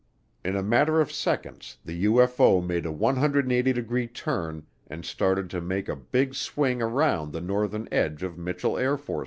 In a matter of seconds the UFO made a 180 degree turn and started to make a big swing around the northern edge of Mitchel AFB.